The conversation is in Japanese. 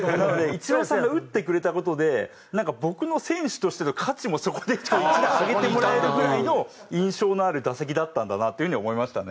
イチローさんが打ってくれた事で僕の選手としての価値もそこで１段上げてもらえるぐらいの印象のある打席だったんだなっていう風に思いましたね。